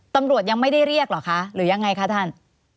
ตำรวจยังไม่ได้เรียกเหรอคะหรือยังไงคะท่าน